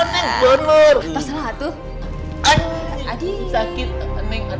lewandang surabaya zoom udah si server